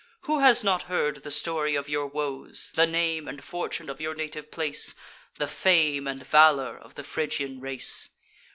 Who has not heard the story of your woes, The name and fortune of your native place, The fame and valour of the Phrygian race?